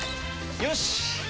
よし！